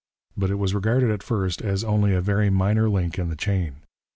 But it was regarded at first as only a very minor link in the chain.